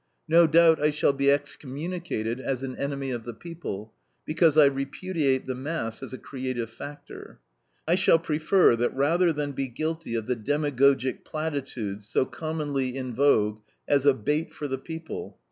No doubt, I shall be excommunicated as an enemy of the people, because I repudiate the mass as a creative factor. I shall prefer that rather than be guilty of the demagogic platitudes so commonly in vogue as a bait for the people.